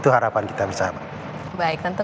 itu harapan kita bersama baik untuk